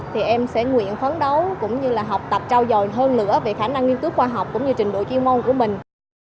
thì em sẽ nguyện phấn đấu cũng như là học tập trao dồi hơn nữa về khả năng nghiên cứu khoa học cũng như trình độ chuyên môn của mình